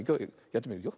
やってみるよ。